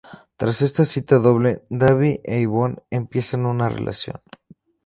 Tras esta cita doble, Davy e Yvonne empiezan una relación.